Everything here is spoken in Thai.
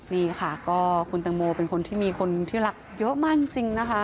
นี่ค่ะก็คุณตังโมเป็นคนที่มีคนที่รักเยอะมากจริงนะคะ